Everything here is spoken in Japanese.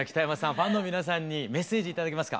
ファンの皆さんにメッセージ頂けますか？